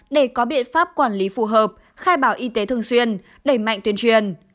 để có biện pháp quản lý phù hợp khai báo y tế thường xuyên đẩy mạnh tuyên truyền